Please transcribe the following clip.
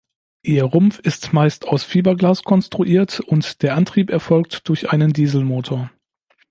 Ihr Rumpf ist meist aus Fiberglas konstruiert und der Antrieb erfolgt durch einen Dieselmotor.